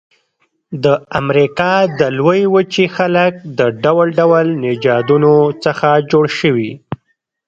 د امریکا د لویې وچې خلک د ډول ډول نژادونو څخه جوړ شوي.